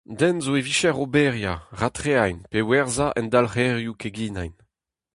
Den zo e vicher oberiañ, ratreañ pe werzhañ endalc'herioù keginañ.